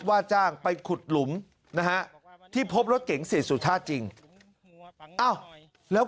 ว่าจ้างไปขุดหลุมนะฮะที่พบรถเก๋งเสียสุชาติจริงแล้ว